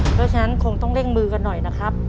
เพราะฉะนั้นคงต้องเร่งมือกันหน่อยนะครับ